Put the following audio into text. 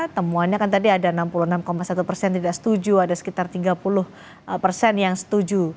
temuannya kan tadi ada enam puluh enam satu persen tidak setuju ada sekitar tiga puluh persen yang setuju